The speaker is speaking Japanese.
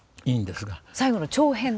「最後の長編」と。